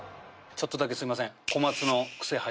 ちょっとだけすいません